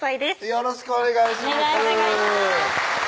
よろしくお願いします